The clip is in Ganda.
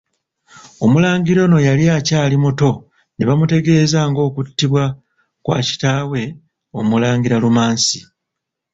Omulangira ono yali akyali muto ne bamutegeeza ng'okuttibwa kwa kitaawe Omulangira Lumansi.